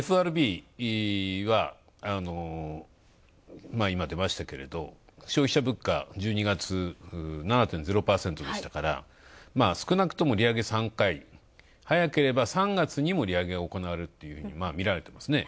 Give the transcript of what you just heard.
ＦＲＢが、今、出ましたけれど、消費者物価、１２月、７．０％でしたから、少なくとも利上げ３回、早ければ、３月にも利上げがおこなわれるとみられている。